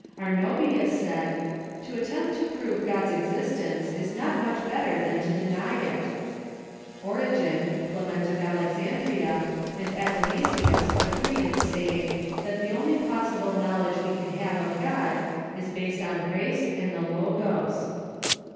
Arnobius said, " To attempt to prove God's existence is not much better than to deny it." Origen, Clement of Alexandria, and Athanasius agreed in saying that the only possible knowledge we can have of God is based on grace and the Logos.